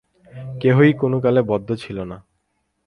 কেহই কোন কালে বদ্ধ ছিল না।